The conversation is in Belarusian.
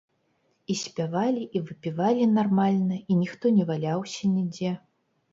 І спявалі, і выпівалі нармальна, і ніхто не валяўся нідзе.